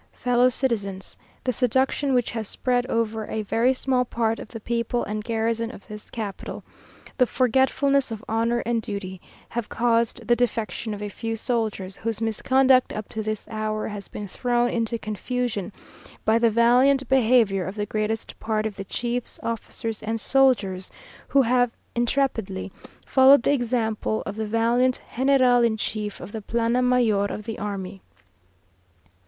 _ "Fellow Citizens: The seduction which has spread over a very small part of the people and garrison of this capital; the forgetfulness of honour and duty, have caused the defection of a few soldiers, whose misconduct up to this hour has been thrown into confusion by the valiant behaviour of the greatest part of the chiefs, officers, and soldiers, who have intrepidly followed the example of the valiant general in chief of the plana mayor of the army.